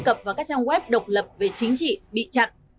các trang web độc lập về chính trị bị chặn